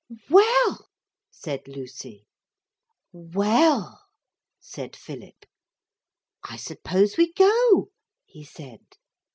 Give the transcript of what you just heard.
'Well!' said Lucy. 'Well!' said Philip. 'I suppose we go?' he said.